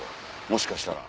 もしかしたら。